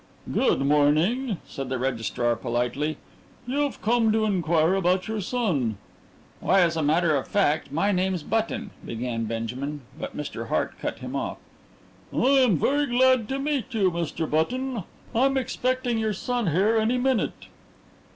"Good morning," said the registrar politely. "You've come to inquire about your son." "Why, as a matter of fact, my name's Button " began Benjamin, but Mr. Hart cut him off. "I'm very glad to meet you, Mr. Button. I'm expecting your son here any minute."